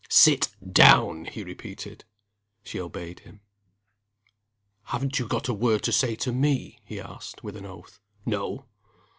"Sit down!" he repeated. She obeyed him. "Haven't you got a word to say to me?" he asked, with an oath. No!